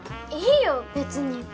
いいよ別に。